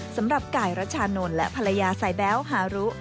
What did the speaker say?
สำหรับกายรัชานนท์และภรรยาสายแบ๊วฮารุ